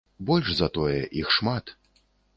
Больш за тое, іх шмат.